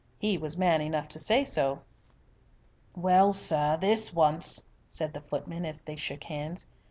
He was man enough to say so. "Well, sir, this once," said the footman, as they shook hands.